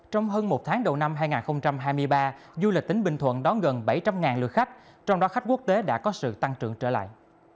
trong hơn một tháng đầu năm hai nghìn hai mươi ba du lịch tỉnh bình thuận đón gần bảy trăm linh lượt khách trong đó khách quốc tế đã có sự tăng trưởng trở lại